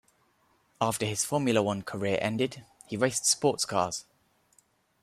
After his Formula One career ended, he raced sportscars.